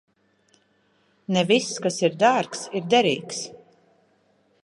Ne viss, kas ir dārgs, ir derīgs.